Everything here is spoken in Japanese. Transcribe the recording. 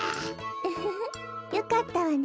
ウフフよかったわね。